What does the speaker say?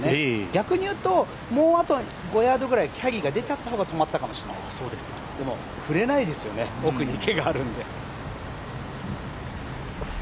逆に言うと、もうあと５ヤードぐらいキャリーが出ちゃった方が止まったかもしれない、でも振れないですよね、奥に池があるので。